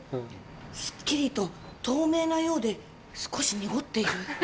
すっきりと透明なようで少し濁っている。